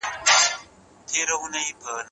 ټیمي لوبې ماشومانو ته نظم ور زده کوي.